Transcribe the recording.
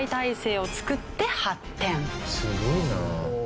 すごいな。